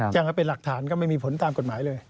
แจ้งไว้เป็นหลักฐานก็ไม่มีผลตามกฎหมายเลย